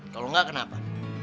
kalo gak kenapa